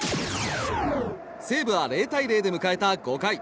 西武は０対０で迎えた５回。